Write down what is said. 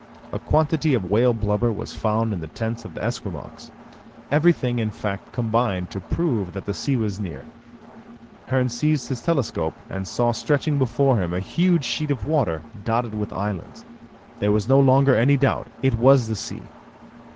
A quantity of whale blubber was found in the tents of the Esquimaux. Everything in fact combined to prove that the sea was near. Hearn seized his telescope, and saw stretching before him a huge sheet of water, dotted with islands. There was no longer any doubt; it was the sea!